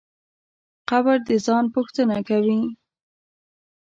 قبر د ځان پوښتنه کوي.